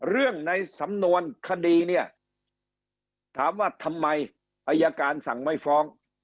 ในสำนวนคดีเนี่ยถามว่าทำไมอายการสั่งไม่ฟ้อง